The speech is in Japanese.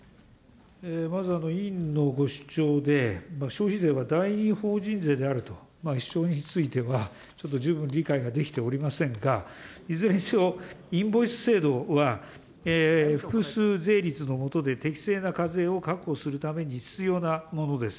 まず、委員のご主張で、消費税は第２法人税であると、主張については十分理解ができておりませんが、いずれにせよ、インボイス制度は複数税率のもとで適正な課税を確保するために必要なものです。